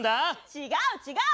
違う違う！